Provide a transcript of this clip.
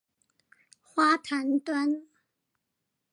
花壇端